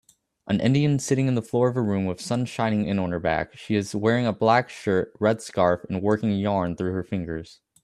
A Indian sitting in the floor of a room with sun shining in on her back side she is wearing a black shirt red scarf and working yarn through her fingers